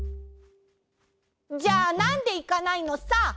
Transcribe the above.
じゃあなんでいかないのさ？